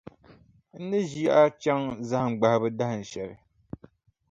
N ni ʒi a chaŋ zahim gbahibu dahinshɛli.